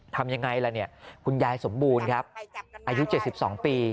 ทำยังไงล่ะเนี่ยคุณยายสมบูรณ์ครับอายุ๗๒ปี